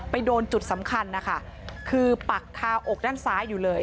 โดนจุดสำคัญนะคะคือปักคาอกด้านซ้ายอยู่เลย